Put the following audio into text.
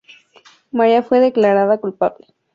María fue declarada culpable.